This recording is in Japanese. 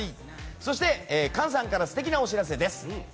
そして、簡さんから素敵なお知らせです。